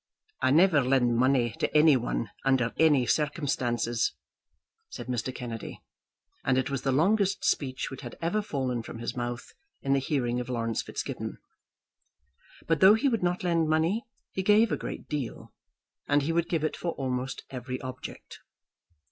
"I never lend money to any one under any circumstances," said Mr. Kennedy, and it was the longest speech which had ever fallen from his mouth in the hearing of Laurence Fitzgibbon. But though he would not lend money, he gave a great deal, and he would give it for almost every object.